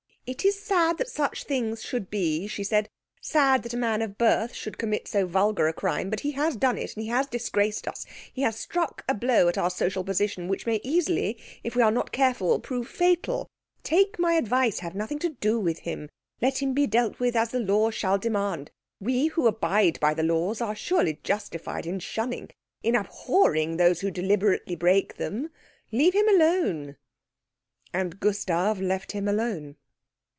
"It is sad that such things should be," she said, "sad that a man of birth should commit so vulgar a crime; but he has done it, he has disgraced us, he has struck a blow at our social position which may easily, if we are not careful, prove fatal. Take my advice have nothing to do with him. Leave him to be dealt with as the law shall demand. We who abide by the laws are surely justified in shunning, in abhorring, those who deliberately break them. Leave him alone." And Gustav left him alone.